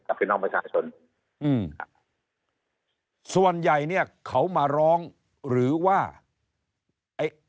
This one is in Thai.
พี่น้องประชาชนอืมครับส่วนใหญ่เนี้ยเขามาร้องหรือว่าไอ้